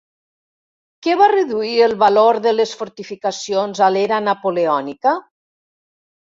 Què va reduir el valor de les fortificacions a l'era napoleònica?